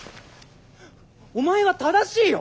お前は正しいよ！